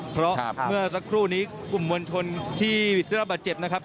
เพราะเมื่อสักครู่นี้กลุ่มมวลชนที่ได้รับบาดเจ็บนะครับ